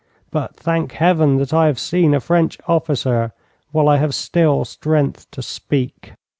'But thank Heaven that I have seen a French officer while I have still strength to speak.'